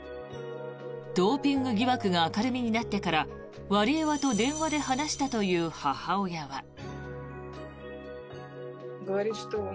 ドーピング疑惑が明るみになってからワリエワと電話で話したという母親は。